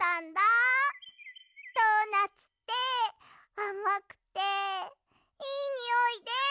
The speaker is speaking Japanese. ドーナツってあまくていいにおいで。